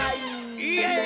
イエイー！